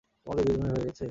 তোমাদের দুজনের হয়ে গেছে?